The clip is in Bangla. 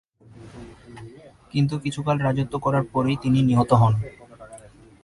কিন্তু কিছুকাল রাজত্ব করার পরই তিনি নিহত হন।